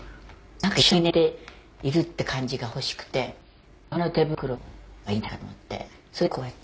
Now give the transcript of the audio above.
なんか一緒に寝ているって感じが欲しくて革の手袋がいいんじゃないかと思ってそれでこうやって」